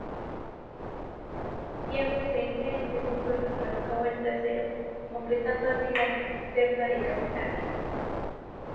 Tiago sería el segundo y Falcao el tercero, completando así la terna de capitanes.